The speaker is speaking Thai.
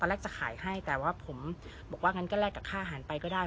แรกจะขายให้แต่ว่าผมบอกว่างั้นก็แลกกับค่าอาหารไปก็ได้